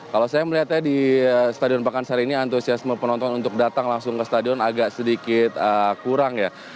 kalau saya melihatnya di stadion pakansari ini antusiasme penonton untuk datang langsung ke stadion agak sedikit kurang ya